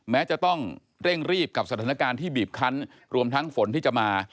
แม้จะต้องเร่งรีบกับสถานการณ์ที่บีบคันรวมทั้งฝนที่จะมา